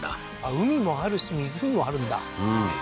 海もあるし湖もあるんだああー